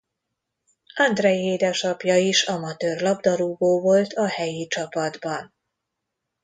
Andrej édesapja is amatőr labdarúgó volt a helyi csapatban.